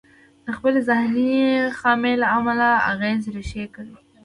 د خپلې ذهني خامي له امله اغېز ريښې کوي.